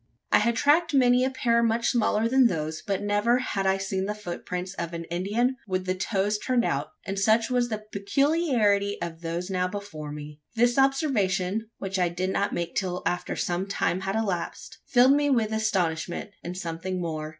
I had tracked many a pair much smaller than those; but never had I seen the footprints of an Indian with the toes turned out; and such was the peculiarity of those now before me. This observation which I did not make till after some time had elapsed filled me with astonishment, and something more.